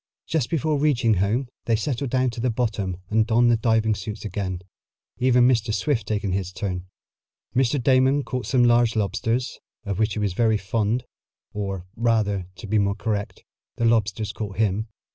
Just before reaching home they settled down to the bottom and donned the diving suits again, even Mr. Swift taking his turn. Mr. Damon caught some large lobsters, of which he was very fond, or, rather, to be more correct, the lobsters caught him.